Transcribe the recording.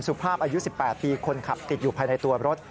สุภาพอายุ๑๘ปีคนขับติดอยู่ภายในตัวรถ